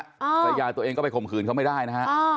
ภรรยาตัวเองก็ไปข่มขืนเขาไม่ได้นะฮะ